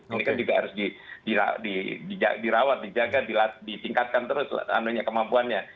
ini kan juga harus dirawat dijaga ditingkatkan terus kemampuannya